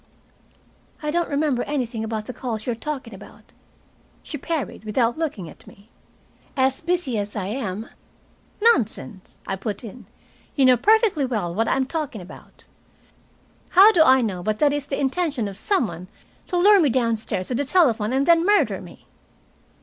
"I don't remember anything about the calls you are talking about," she parried, without looking at me. "As busy as I am " "Nonsense," I put in, "you know perfectly well what I am talking about. How do I know but that it is the intention of some one to lure me downstairs to the telephone and then murder me?"